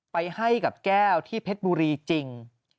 ไปให้กับแก้วที่เพชรบุรีจริง